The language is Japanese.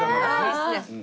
いいですね！